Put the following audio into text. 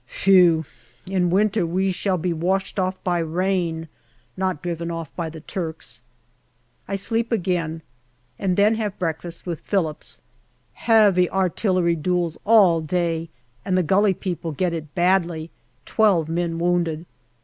Phew ! In winter we shall be washed off by rain, not driven off by the Turks. I sleep again, and then have breakfast with Phillips. Heavy artillery duels all day and the Gully people get it badly twelve men wounded.